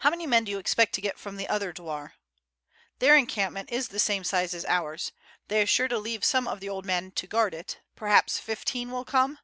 "How many men do you expect to get from the other douar?" "Their encampment is the same size as ours; they are sure to leave some of the old men to guard it, perhaps fifteen will come.